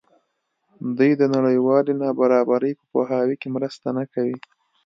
دوی د نړیوالې نابرابرۍ په پوهاوي کې مرسته نه کوي.